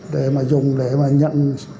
để mà dùng để mà nhận